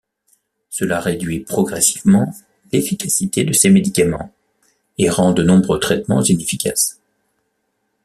Cela réduit progressivement l'efficacité de ces médicaments et rend de nombreux traitements inefficaces.